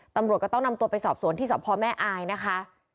ตำรวจก็ต้องนำตัวไปสอบสวนที่สพแม่อายนะคะ